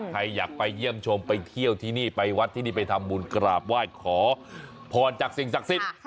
ใครอยากไปเยี่ยมชมไปเที่ยวที่นี่ไปวัดที่นี่ไปทำบุญกราบไหว้ขอพรจากสิ่งศักดิ์สิทธิ์